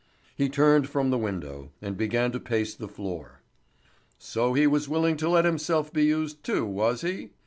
He turned from the window, and began to pace the floor. "So he was willing to let himself be used too, was he?"